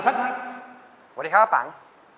สวัสดีครับป้าปัง